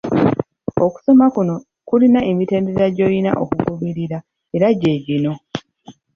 Okusoma kuno kulina emitendera gy’olina okugoberera era gye gino.